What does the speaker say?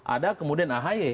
ada kemudian ahy